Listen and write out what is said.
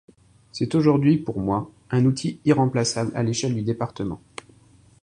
C'est aujourd'hui, pour moi, un outil irremplaçable à l'échelle du département.